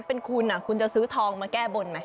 เป็นคุณคุณจะซื้อทองมาแก้บนไหม